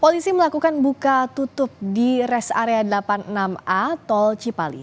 polisi melakukan buka tutup di res area delapan puluh enam a tol cipali